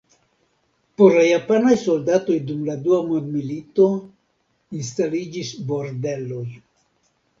Por la japanaj soldatoj dum la dua mondmilito instaliĝis bordeloj.